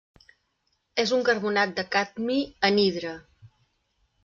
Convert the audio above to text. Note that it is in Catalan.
És un carbonat de cadmi, anhidre.